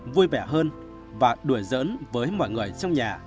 vui vẻ hơn và đuổi giỡn với mọi người trong nhà